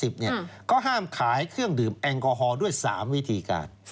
เขาห้ามขายเครื่องดื่มแอลกอฮอล์ด้วย๓วิธีการ